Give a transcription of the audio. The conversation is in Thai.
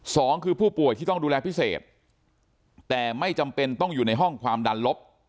สองคือผู้ป่วยที่ต้องดูแลพิเศษแต่ไม่จำเป็นต้องอยู่ในห้องความดันลบ